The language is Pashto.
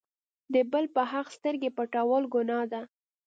د بل په حق سترګې پټول ګناه ده.